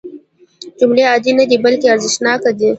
جملې عادي نه دي بلکې ارزښتناکې دي.